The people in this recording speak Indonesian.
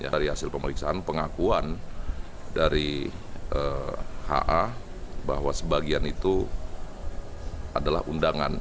dari hasil pemeriksaan pengakuan dari ha bahwa sebagian itu adalah undangan